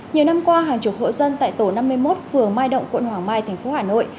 nhiều năm qua hàng chục hộ dân tại tổ năm mươi một phường mai động quận hoàng mai thành phố hà nội